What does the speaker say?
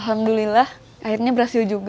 alhamdulillah akhirnya berhasil juga